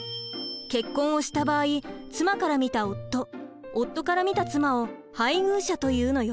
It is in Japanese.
結婚をした場合妻から見た夫夫から見た妻を「配偶者」と言うのよ。